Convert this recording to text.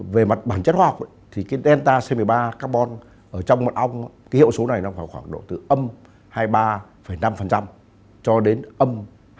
về mặt bản chất khoa học thì cái delta c một mươi ba carbon ở trong mật ong cái hiệu số này nó khoảng độ từ âm hai mươi ba năm cho đến âm hai mươi bảy năm